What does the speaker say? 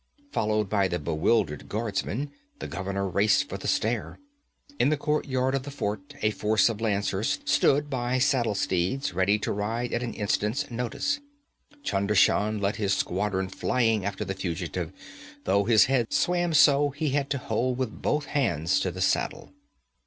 Followed by the bewildered guardsmen, the governor raced for the stair. In the courtyard of the fort a force of lancers stood by saddled steeds, ready to ride at an instant's notice. Chunder Shan led his squadron flying after the fugitive, though his head swam so he had to hold with both hands to the saddle.